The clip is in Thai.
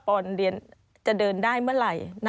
เรียนจะเดินได้เมื่อไหร่